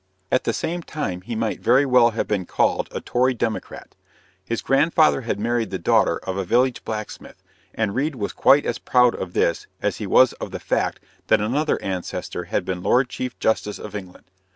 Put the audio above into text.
At the same time he might very well have been called a Tory democrat. His grandfather had married the daughter of a village blacksmith, and Reade was quite as proud of this as he was of the fact that another ancestor had been lord chief justice of England.